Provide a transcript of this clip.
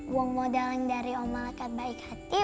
uang modal yang dari oma lekat baik hati